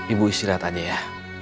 ibu istirahat aja ya